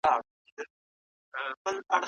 چاړه که د سرو زرو وي هم په سینه کي نه وهل کېږي.